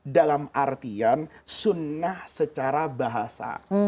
dalam artian sunnah secara bahasa